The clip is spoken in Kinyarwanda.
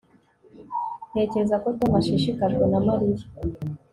Ntekereza ko Tom ashishikajwe na Mariya